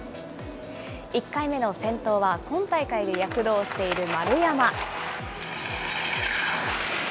１回目の先頭は今大会躍動している丸山。